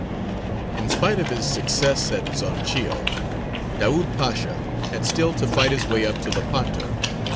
_)] In spite of his success at Zonchio, Daūd Pasha had still to fight his way up to Lepanto.